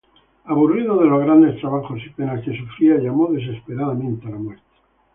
Aburrido de los grandes trabajos y penas que sufría, llamó desesperadamente a la muerte.